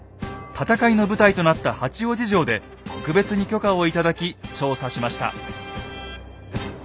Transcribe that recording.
戦いの舞台となった八王子城で特別に許可を頂き調査しました。